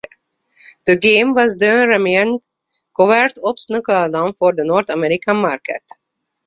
The game was then renamed "Covert Ops: Nuclear Dawn" for the North American market.